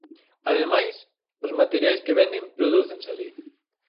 Ademais, os materiais que venden prodúcense alí.